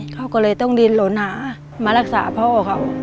เขาก็เลยต้องดินหลนหามารักษาพ่อเขา